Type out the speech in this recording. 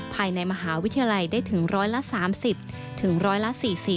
ภายในมหาวิทยาลัยได้ถึงร้อยละ๓๐ถึงร้อยละ๔๐